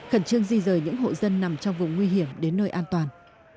khẩn trương di rời những hộ dân nằm trong vùng nguy hiểm đến nơi an toàn